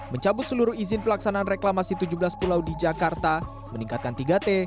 mencabut seluruh izin pelaksanaan reklamasi tujuh belas pulau di jakarta meningkatkan tiga t